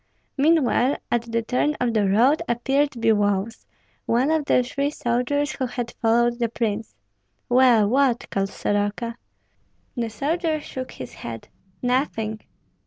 Meanwhile at the turn of the road appeared Biloüs, one of the three soldiers who had followed the prince. "Well, what?" called Soroka. The soldier shook his head. "Nothing!"